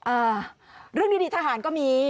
อ่าเรื่องดีดีทหารก็มี